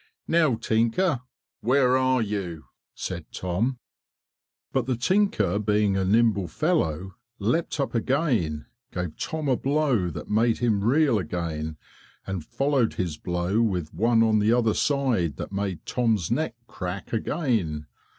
"Now tinker where are you?" said Tom. But the tinker being a nimble fellow, leapt up again, gave Tom a blow that made him reel again, and followed his blow with one on the other side that made Tom's neck crack again.